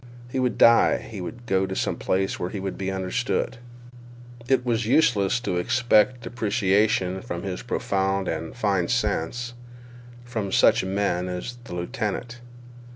He would die; he would go to some place where he would be understood. It was useless to expect appreciation of his profound and fine sense from such men as the lieutenant.